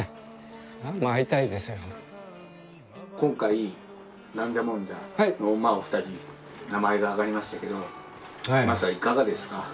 今回なんじゃもんじゃのまあお二人名前が挙がりましたけどマスターいかがですか？